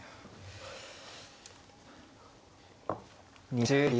２０秒。